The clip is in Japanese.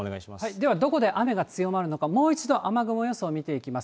ではどこで雨が強まるのか、もう一度雨雲予想を見ていきます。